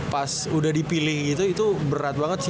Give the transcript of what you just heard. pas udah dipilih gitu itu berat banget sih